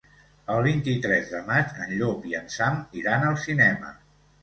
El vint-i-tres de maig en Llop i en Sam iran al cinema.